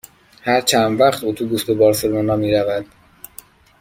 هر چند وقت اتوبوس به بارسلونا می رود؟